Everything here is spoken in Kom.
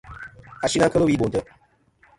Ashɨng a kel wi Bo ntè.